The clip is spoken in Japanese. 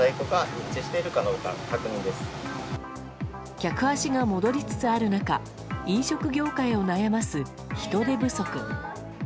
客足が戻りつつある中飲食業界を悩ます人手不足。